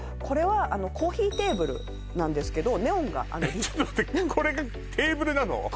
これはコーヒーテーブルなんですけどネオンがちょっと待ってこれがテーブルなの？